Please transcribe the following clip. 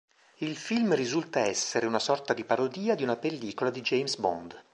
Il film risulta essere una sorta di parodia di una pellicola di James Bond.